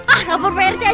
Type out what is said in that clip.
ah lapor pak rt aja deh